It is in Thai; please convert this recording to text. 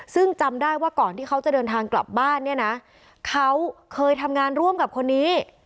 ซึ่งจำได้ว่าก่อนที่เขาจะเดินทางกลับบ้านเนี่ยนะเขาเคยทำงานร่วมกับคนนี้